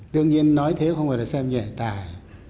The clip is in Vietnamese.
đương nhiên nói thế không phải là xem nhẹ tài